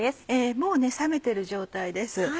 もう冷めている状態です。